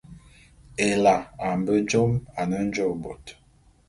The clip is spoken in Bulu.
Ela a mbe jôm ane njôô bôt.